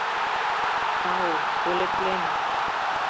Тау, пӧлеклен.